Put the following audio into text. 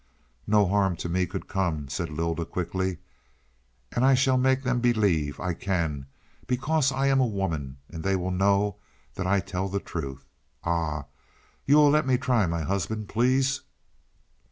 "No harm to me could come," said Lylda quickly. "And I shall make them believe. I can, because I am a woman, and they will know I tell the truth. Ah, you will let me try, my husband please?"